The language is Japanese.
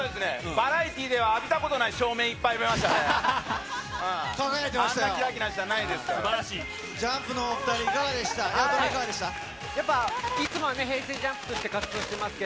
バラエティーでは浴びたことない照明いっぱい浴びましたね。